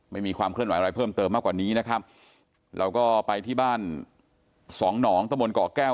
มีความเคลื่อนไหวอะไรเพิ่มเติมมากกว่านี้นะครับเราก็ไปที่บ้านสองหนองตะบนเกาะแก้ว